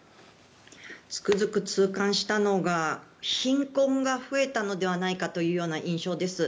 つくづく痛感したのが貧困が増えたのではないかという印象です。